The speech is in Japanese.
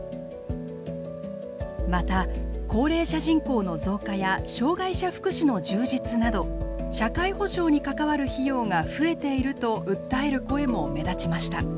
また高齢者人口の増加や障がい者福祉の充実など社会保障に関わる費用が増えていると訴える声も目立ちました。